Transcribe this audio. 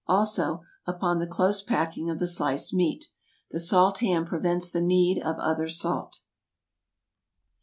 Also, upon the close packing of the sliced meat. The salt ham prevents the need of other salt.